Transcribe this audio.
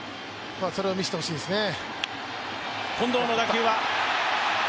それを見せてほしいですよね。